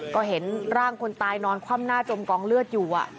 ก็เห็นร่างคนตายนอนคว่ำหน้าจมกองเลือดอยู่